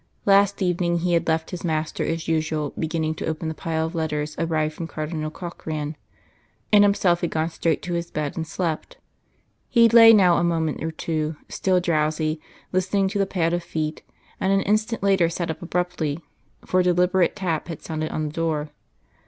Last evening he had left his master as usual beginning to open the pile of letters arrived from Cardinal Corkran, and himself had gone straight to his bed and slept. He lay now a moment or two, still drowsy, listening to the pad of feet, and an instant later sat up abruptly, for a deliberate tap had sounded on the door.